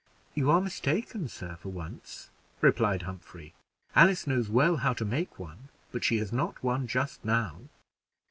"You are mistaken, sir, for once," replied Humphrey. "Alice knows well how to make one, but she has not one just now."